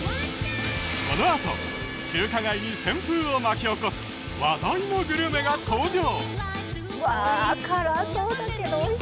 このあと中華街に旋風を巻き起こす話題のグルメが登場！